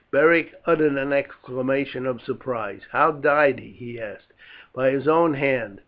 Beric uttered an exclamation of surprise. "How died he?" he asked. "By his own hand.